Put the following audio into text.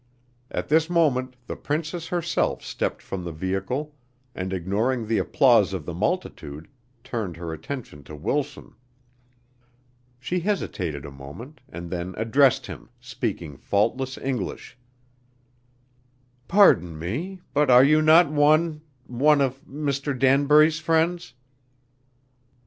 At this moment the princess herself stepped from the vehicle and, ignoring the applause of the multitude, turned her attention to Wilson. She hesitated a moment, and then addressed him, speaking faultless English: "Pardon me, but are not you one one of Mr. Danbury's friends?"